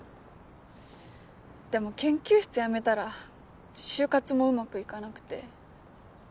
でも研究室辞めたら就活もうまくいかなくて。